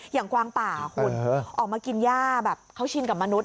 อย่างกวางป่าออกมากินย่าแบบเขาชินกับมนุษย์อ่ะ